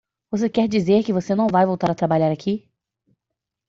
Você quer dizer que você não vai voltar a trabalhar aqui?